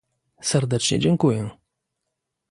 Serdecznie dziękuję!